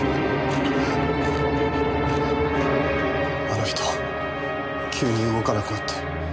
あの人急に動かなくなって。